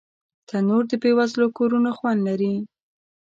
تنور د بې وزلو کورونو خوند لري